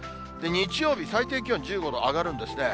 日曜日最低気温１５度、上がるんですね。